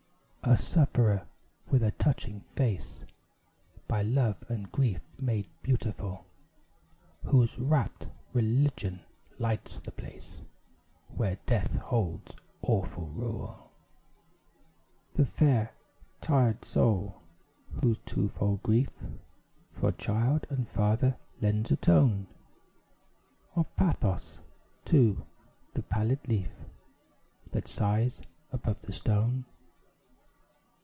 A sufferer with a touching face By love and grief made beautiful; Whose rapt religion lights the place Where death holds awful rule. The fair, tired soul whose twofold grief For child and father lends a tone Of pathos to the pallid leaf That sighs above the stone.